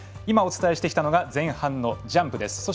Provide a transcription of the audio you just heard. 今、お伝えしてきたのが前半のジャンプです。